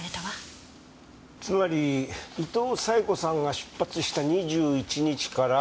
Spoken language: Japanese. つまり伊東冴子さんが出発した２１日から。